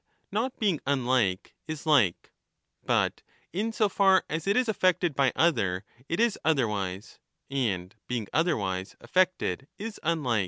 nt*af not being unlike, is like ; but in so far as it is affected by view the other it is otherwise, and being otherwise affected is unlike.